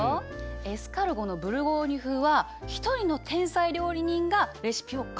エスカルゴのブルゴーニュ風は一人の天才料理人がレシピを完成させたの。